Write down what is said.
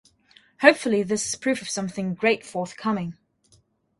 Hopefully this is proof of something great forthcoming.